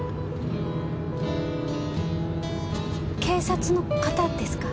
警察の方ですか？